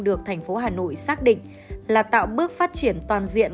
được thành phố hà nội xác định là tạo bước phát triển toàn diện